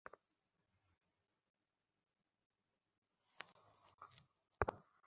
কহিলেন, বউমা, মহিন কী লিখিয়াছে শীঘ্র আমাকে শুনাইয়া দাও।